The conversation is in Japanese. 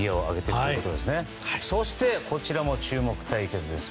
そしてこちらも注目対決です。